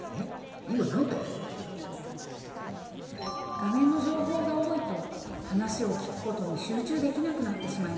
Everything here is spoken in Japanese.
画面の情報が多いと話を聞くことに集中できなくなってしまいます。